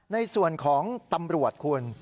ในส่วนของตำรวจคุณ